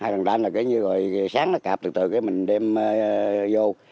hai lần đàn là cái như rồi sáng nó cạp từ từ cái mình đem vô